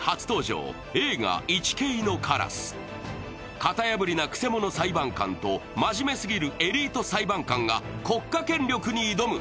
型破りなくせ者裁判官と真面目すぎるエリート裁判官が国家権力に挑む。